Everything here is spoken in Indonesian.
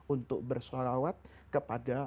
untuk bersholawat kepada